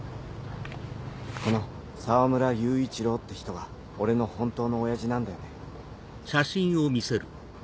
この澤村雄一郎って人が俺の本当の親父なんだよね？